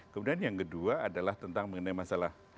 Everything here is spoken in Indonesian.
kemudian yang kedua adalah tentang mengenai masalah